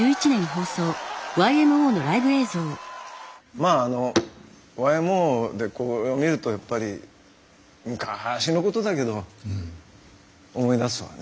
まああのＹＭＯでこれを見るとやっぱり昔のことだけど思い出すわね。